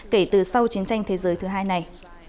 kể từ sau chiến tranh thế giới thứ hai này